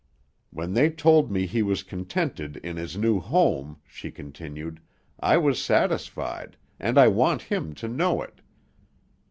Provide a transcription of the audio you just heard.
"'When they told me he was contented in his new home,' she continued, 'I was satisfied, and I want him to know it.